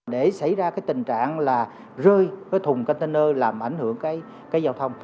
để xảy ra cái tình trạng là rơi với thùng container làm ảnh hưởng cái giao thông